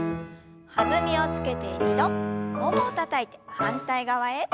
弾みをつけて２度ももをたたいて反対側へ。